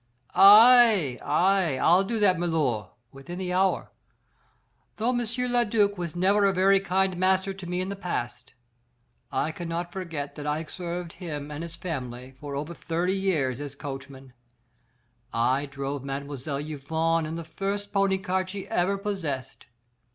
"Aye! aye! I'll do that, milor, within the hour. Though M. le duc was never a very kind master to me in the past, I cannot forget that I served him and his family for over thirty years as coachman. I drove Mlle. Yvonne in the first pony cart she ever possessed.